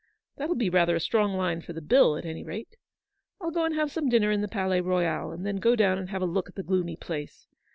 That'll be rather a strong line for the bill, at any rate. I'll go and have some dinner in the Palais Royal, and then go down and have a look at the gloomy place.